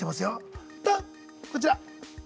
こちら。